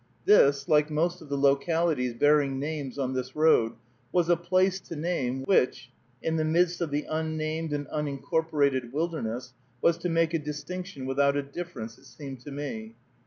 This, like most of the localities bearing names on this road, was a place to name which, in the midst of the unnamed and unincorporated wilderness, was to make a distinction without a difference, it seemed to me.